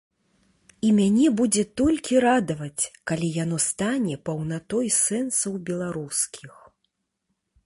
І мяне будзе толькі радаваць, калі яно стане паўнатой сэнсаў беларускіх.